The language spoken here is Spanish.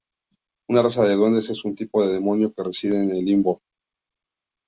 Una raza de Duendes es un tipo de demonio que reside en el Limbo.